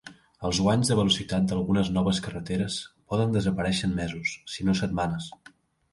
Els guanys de velocitat d'algunes noves carreteres poden desaparèixer en mesos, si no setmanes.